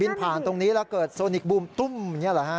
บินผ่านตรงนี้แล้วเกิดโซนิกบูมตุ้มนี่หรือฮะ